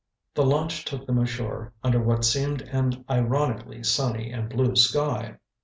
The launch took them ashore under what seemed an ironically sunny and blue sky.